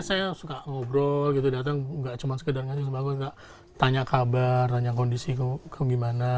biasanya saya suka ngobrol datang nggak cuma sekedar ngajak sebagus nggak tanya kabar tanya kondisi gimana